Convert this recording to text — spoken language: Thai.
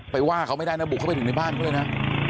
ว่าเขาไม่ได้นะบุกเข้าไปถึงในบ้านเขาเลยนะ